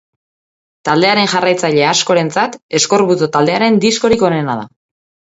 Taldearen jarraitzaile askorentzat, Eskorbuto taldearen diskorik onena da.